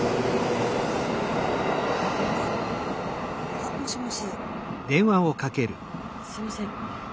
あっもしもしすいません